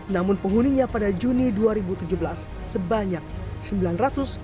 namun penghuninya pada juni sejak tahun dua ribu tiga belas berhubung dengan pemerintah yang berpengaruh